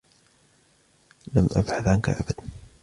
لم أبحث عنك أبدا.